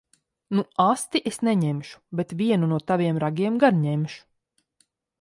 Nu asti es neņemšu. Bet vienu no taviem ragiem gan ņemšu.